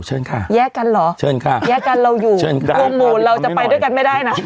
เชิญค่ะแยกกันเหรอเชิญค่ะแยกกันเราอยู่เชิญครับโปรโมเราจะไปด้วยกันไม่ได้นะ